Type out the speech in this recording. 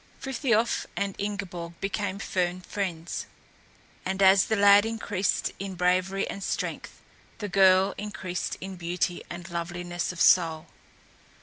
Frithiof and Ingeborg became firm friends, and as the lad increased in bravery and strength, the girl increased in beauty and loveliness of soul.